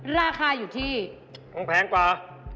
ราคาอยู่ที่คงแพงกว่า